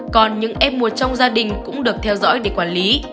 còn những f một trong gia đình cũng được theo dõi để quản lý